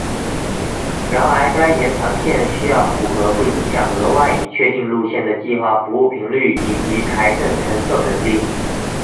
然而该延长线需要符合不影响额外已确定路线的计划服务频率以及财政承受能力。